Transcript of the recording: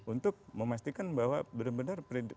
untuk memastikan bahwa benar benar pidato presiden dalam